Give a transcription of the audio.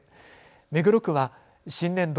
目黒区は新年度